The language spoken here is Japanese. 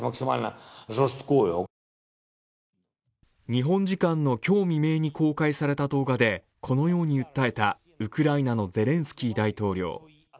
日本時間の今日未明に公開された動画でこのように訴えたウクライナのゼレンスキー大統領。